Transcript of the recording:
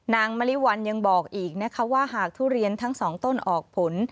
นางมะลิวัลยังบอกอีกนะคะว่าหากทุเรียนทั้งสองต้นออกผล